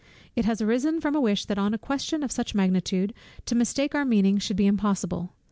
It has arisen from a wish that on a question of such magnitude, to mistake our meaning should be impossible.